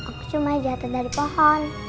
aku cuma jatuh dari pohon